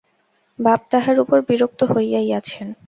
বাপ তাহার উপর বিরক্ত হইয়াই আছেন।